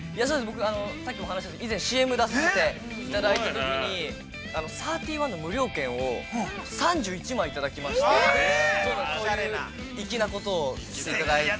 ◆さっきもお話しして、以前ＣＭに出させていただいたときに、いただいたときに、サーティワンの無料券を３１枚、いただきましてそういう粋なことをしていただいて。